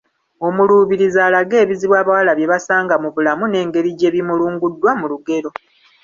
Omuluubirizi alage ebizibu abawala bye basanga mu bulamu n’engeri gye bimulunguddwa mu lugero